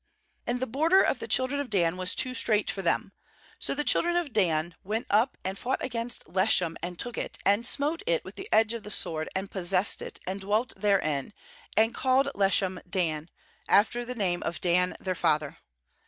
47And the border of the chil dren of Dan was too strait for them; so the children of Dan went up and fought against Leshem, and took it, and smote it with the edge of the sword, and possessed it, and dwelt therein, and called Leshem, Dan, after the name of Dan their father.